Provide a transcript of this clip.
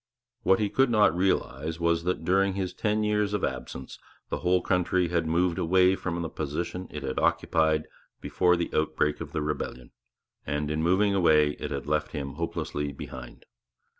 What he could not realize was, that during his ten years of absence the whole country had moved away from the position it had occupied before the outbreak of the rebellion; and, in moving away, it had left him hopelessly behind.